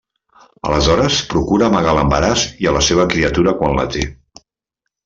Aleshores, procura amagar l’embaràs i a la seva criatura quan la té.